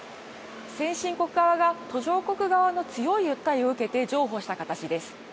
先進国側が途上国側の強い訴えを受けて譲歩した形です。